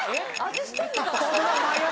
味してるのかな。